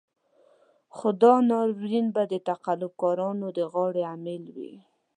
خو دا ناورين به د تقلب کارانو د غاړې امېل وي.